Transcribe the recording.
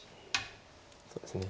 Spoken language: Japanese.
そうですね。